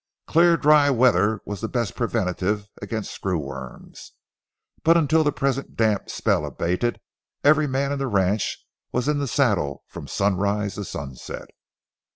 Clear dry weather was the best preventive against screw worms, but until the present damp spell abated every man in the ranch was in the saddle from sunrise to sunset.